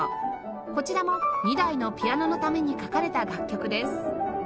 こちらも２台のピアノのために書かれた楽曲です